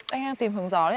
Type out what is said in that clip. anh đang tìm hướng gió đấy ạ